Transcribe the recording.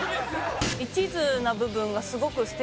一途な部分がすごく素敵。